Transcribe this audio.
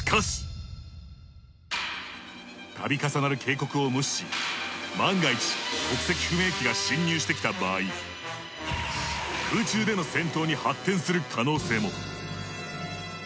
たび重なる警告を無視し万が一国籍不明機が侵入してきた場合空中での戦闘に発展する可能性も。